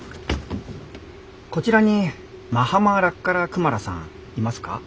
こちらにマハマラッカラ・クマラさんいますか？